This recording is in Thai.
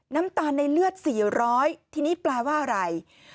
น้ำตาลในเลือด๔๐๐ทีนี้แปลว่าอะไร